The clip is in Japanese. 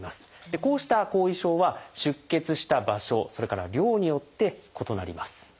こうした後遺症は出血した場所それから量によって異なります。